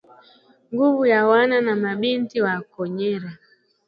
Nguvu ya wana na mabinti wa Konyole